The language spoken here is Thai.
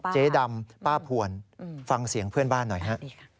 เจ๊ดำป้าผวนฟังเสียงเพื่อนบ้านหน่อยฮะ